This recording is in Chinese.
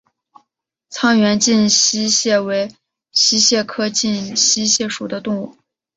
沧源近溪蟹为溪蟹科近溪蟹属的动物。